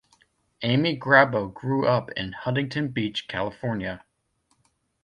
Amy Grabow grew up in Huntington Beach, California.